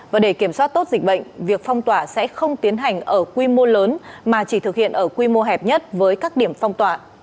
và để kiểm soát tốt dịch bệnh việc phong tỏa sẽ không tiến hành ở quy mô lớn mà chỉ thực hiện ở quy mô hẹp nhất với các điểm phong tỏa